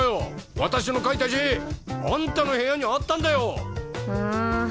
私の書いた字あんたの部屋にあったんだよん